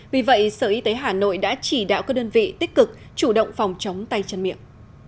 vì vậy sở y tế hà nội đã chỉ đạo các đơn vị tích cực chủ động phòng chống tay chân miệng